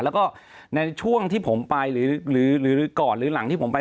แล้วก็ในช่วงที่ผมไปหรือก่อนหรือหลังที่ผมไป